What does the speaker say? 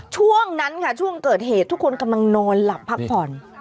ช่วงนั้นค่ะช่วงเกิดเหตุทุกคนกำลังนอนหลับพักผ่อน